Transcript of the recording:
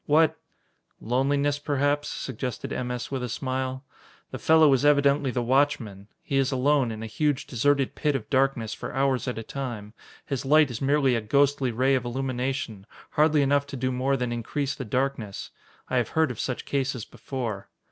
What " "Loneliness, perhaps," suggested M. S. with a smile. "The fellow is evidently the watchman. He is alone, in a huge, deserted pit of darkness, for hours at a time. His light is merely a ghostly ray of illumination, hardly enough to do more than increase the darkness. I have heard of such cases before."